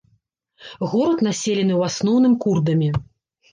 Горад населены ў асноўным курдамі.